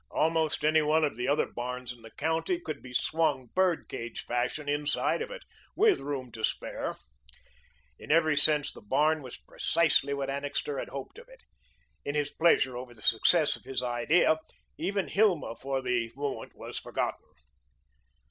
Almost any one of the other barns in the county could be swung, bird cage fashion, inside of it, with room to spare. In every sense, the barn was precisely what Annixter had hoped of it. In his pleasure over the success of his idea, even Hilma for the moment was forgotten.